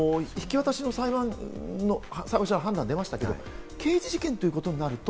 ただ引き渡しの判断が出ましたけれども、刑事事件ということになると